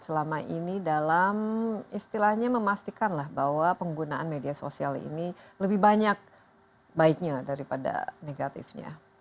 selama ini dalam istilahnya memastikan lah bahwa penggunaan media sosial ini lebih banyak baiknya daripada negatifnya